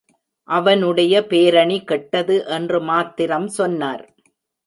அவனுடைய பேரணி கெட்டது என்று மாத்திரம் சொன்னார்.